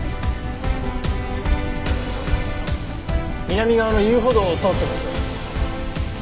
南側の遊歩道を通ってます。